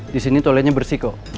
di sini toiletnya bersih kok